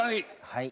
はい。